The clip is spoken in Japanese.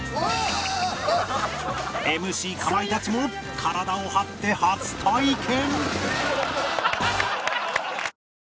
ＭＣ かまいたちも体を張って初体験